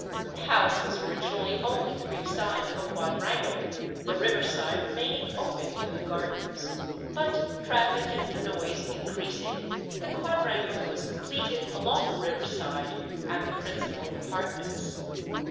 The house was originally only three sides of a quadrangle, the river side remaining open to the gardens; but traffic and noise increasing, the quadrangle was completed along the river side and the principal apartments.